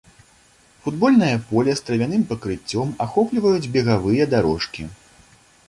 Футбольнае поле з травяным пакрыццём ахопліваюць бегавыя дарожкі.